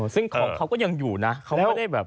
ซึ่งของเขาก็ยังอยู่นะ